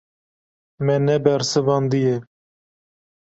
Me nebersivandiye.